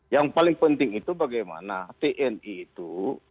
yang paling penting itu bagaimana tni itu